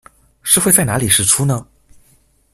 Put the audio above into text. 是會在哪裡釋出呢?